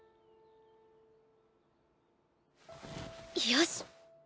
よし！